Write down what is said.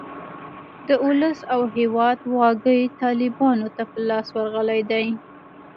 د اولس او هیواد واګې طالیبانو ته په لاس ورغلې دي.